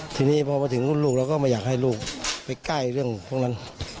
ทีนี้พอมาถึงรุ่นลูกเราก็ไม่อยากให้ลูกไปใกล้เรื่องพวกนั้น